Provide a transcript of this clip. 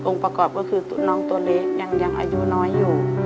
ประกอบก็คือน้องตัวเล็กยังอายุน้อยอยู่